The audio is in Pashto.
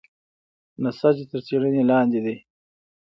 نسج تر څېړنې لاندې دی.